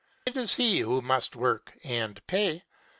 It is he who must work and pay.